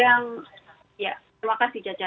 terima kasih caca